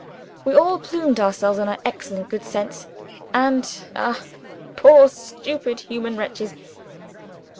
We all plumed ourselves on our excellent good sense and (ah, poor stupid human wretches!)